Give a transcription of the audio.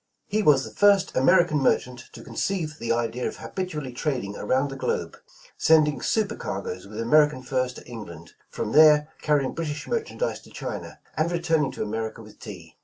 He was the first American merchant to conceive the idea of habitually trading around the globe, sending super cargoes with American furs to England, from there carrjdng Brit ish merchandise to China, and returning to America with tea.